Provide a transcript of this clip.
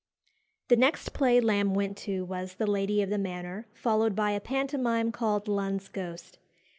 The next play Lamb went to was "The Lady of the Manor," followed by a pantomime called "Lunn's Ghost."